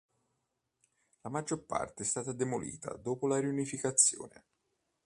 La maggior parte è stata demolita dopo la riunificazione.